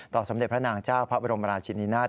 สมเด็จพระนางเจ้าพระบรมราชินินาศ